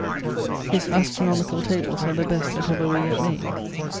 ] His astronomical tables are the best that ever were yet made.